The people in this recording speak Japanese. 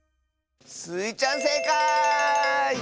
スイちゃんせいかい！